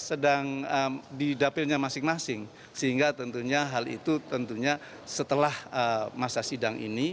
sedang di dapilnya masing masing sehingga tentunya hal itu tentunya setelah masa sidang ini